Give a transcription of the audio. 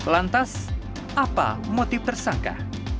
lantas apa motif tersangka